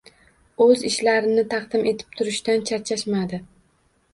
O‘z ishlarini taqdim etib turishdan charchashmadi.